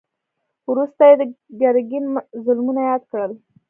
وروسته يې د ګرګين ظلمونه ياد کړل.